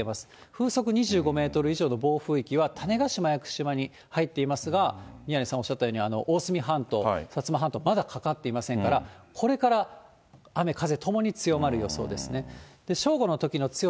風速２５メートル以上の暴風域は、種子島・屋久島に入っていますが、宮根さんおっしゃったように大隅半島、薩摩半島、まだかかっていませんから、これから雨、風ともに強まる予想ですね。